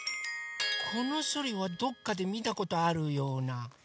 このソリはどっかでみたことあるような。